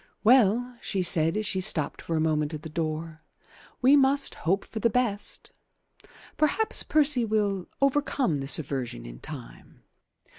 "Well," she said as she stopped for a moment at the door, "we must hope for the best. Perhaps Percy will overcome this aversion in time.